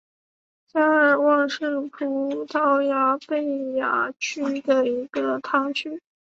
加尔旺是葡萄牙贝雅区的一个堂区。